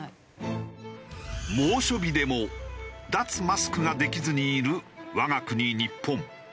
猛暑日でも脱マスクができずにいる我が国日本。